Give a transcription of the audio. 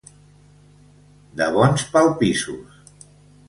De bons palpissos.